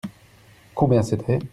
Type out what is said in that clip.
Combien c'était ?